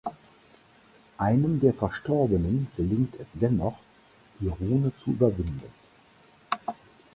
Einem der Verstorbenen gelingt es dennoch, die Rune zu überwinden.